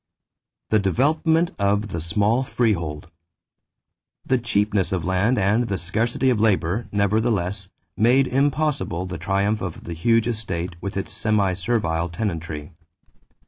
=The Development of the Small Freehold.= The cheapness of land and the scarcity of labor, nevertheless, made impossible the triumph of the huge estate with its semi servile tenantry.